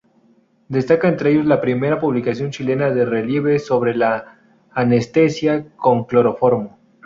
Destaca entre ellos la primera publicación chilena de relieve sobre la anestesia con cloroformo.